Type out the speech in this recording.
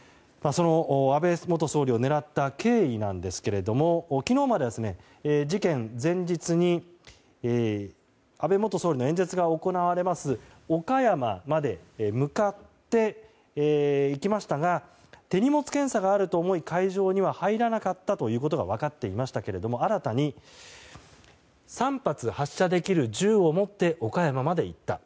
安倍元総理を狙った経緯なんですけれども昨日は事件前日に安倍元総理の演説が行われます岡山まで向かっていきましたが手荷物検査があると思い会場には入らなかったことが分かっていますが新たに３発発射できる銃を持って岡山まで行った。